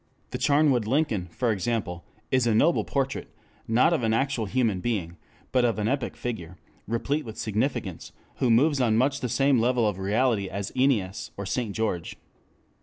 The Charnwood Lincoln, for example, is a noble portrait, not of an actual human being, but of an epic figure, replete with significance, who moves on much the same level of reality as Aeneas or St. George.